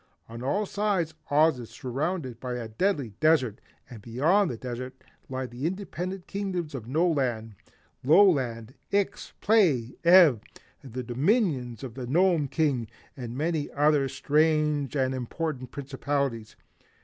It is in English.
On all sides, Oz is surrounded by a deadly desert and beyond the desert lie the independent Kingdoms of No Land, Low Land, Ix, Play, Ev, the Dominions of the Gnome King, and many other strange and important Principalities.